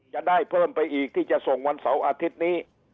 จะได้เพิ่มไปอีกที่จะส่งวันเสาร์อาทิตย์นี้